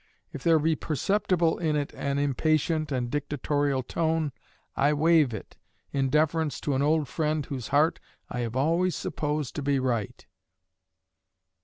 If there be perceptible in it an impatient and dictatorial tone, I waive it, in deference to an old friend whose heart I have always supposed to be right.